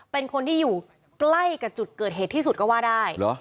เป็นคนที่อยู่ใกล้กับจุดเกิดเหตุที่สุดก็ว่าได้